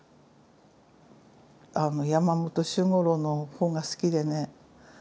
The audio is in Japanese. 山本周五郎の本が好きでね